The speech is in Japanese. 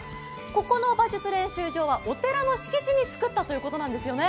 ここの馬術練習馬はお寺の敷地に造ったということなんですね。